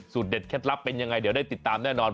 สูตรเด็ดแค่ทรัพย์เป็นยังไงเดี๋ยวได้ติดตามแน่นอน